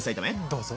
どうぞ。